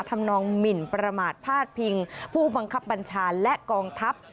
ทำนองหมินประมาทพาดพิงผู้บังคับบัญชาและกองทัพ